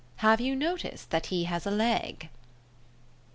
Have you noticed that he has a leg?"